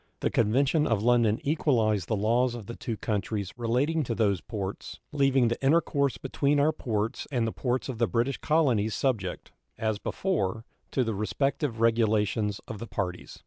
The convention of London equalized the laws of the two countries relating to those ports, leaving the intercourse between our ports and the ports of the British colonies subject, as before, to the respective regulations of the parties.